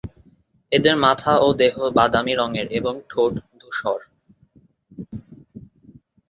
এদের মাথা ও দেহ বাদামী রঙের এবং ঠোঁট ধূসর।